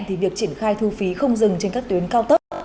thì việc triển khai thu phí không dừng trên các tuyến cao tốc